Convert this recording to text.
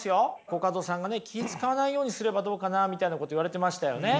コカドさんが気ぃ遣わないようにすればどうかなみたいなこと言われてましたよね。